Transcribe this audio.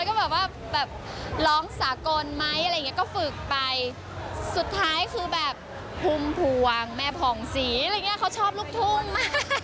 ก็แบบว่าแบบร้องสากลไหมอะไรอย่างเงี้ก็ฝึกไปสุดท้ายคือแบบพุ่มพวงแม่ผ่องศรีอะไรอย่างเงี้ยเขาชอบลูกทุ่งมาก